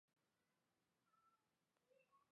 水分的不足使乔木难以立足。